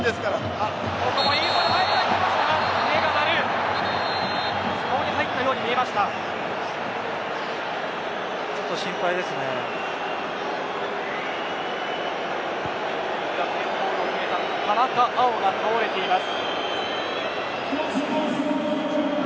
勝ち越しゴールを決めた田中碧が倒れています。